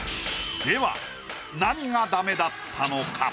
何がダメだったのか？